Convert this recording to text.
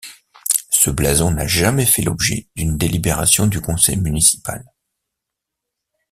Ce blason n'a jamais fait l'objet d'une délibération du conseil municipal.